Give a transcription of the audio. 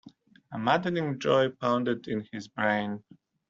A maddening joy pounded in his brain.